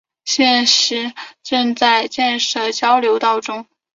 现时正在建设交流道中。